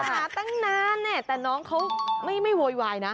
หาตั้งนานแต่น้องเขาไม่โวยวายนะ